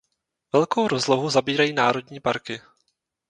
Velkou rozlohu zabírají národní parky.